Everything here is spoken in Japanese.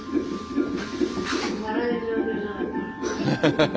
ハハハハ。